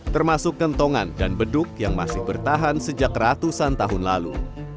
termasuk kentongan dan beduk yang masih bertahan sejak ratusan tahun lalu